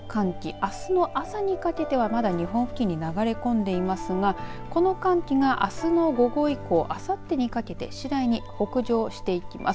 あすの朝にかけてはまだ日本付近に流れ込んでいますがこの寒気があすの午後以降あさってにかけて次第に北上していきます。